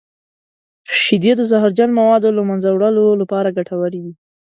شیدې د زهرجن موادو د له منځه وړلو لپاره ګټورې دي.